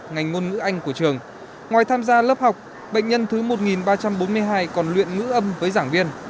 ngành ngôn ngữ anh của trường ngoài tham gia lớp học bệnh nhân thứ một ba trăm bốn mươi hai còn luyện ngữ âm với giảng viên